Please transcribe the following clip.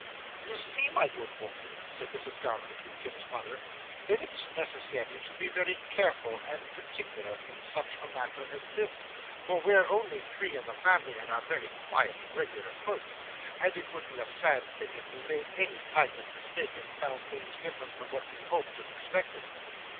'You see, my good woman,' said Mrs Garland to Kit's mother, 'that it's necessary to be very careful and particular in such a matter as this, for we're only three in family, and are very quiet regular folks, and it would be a sad thing if we made any kind of mistake, and found things different from what we hoped and expected.